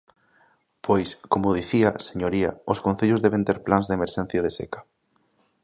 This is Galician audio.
Pois, como dicía, señoría, os concellos deben ter plans de emerxencia de seca.